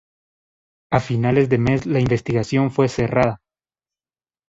A finales de mes la investigación fue cerrada.